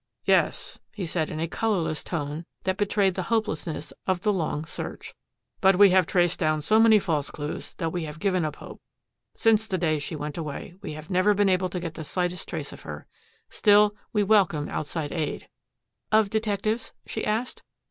"Yes," he said in a colorless tone that betrayed the hopelessness of the long search. "But we have traced down so many false clues that we have given up hope. Since the day she went away, we have never been able to get the slightest trace of her. Still, we welcome outside aid." "Of detectives?" she asked.